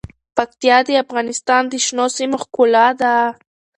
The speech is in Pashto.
پکتیا د افغانستان د شنو سیمو ښکلا ده.